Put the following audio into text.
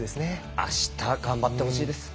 あした頑張ってほしいです。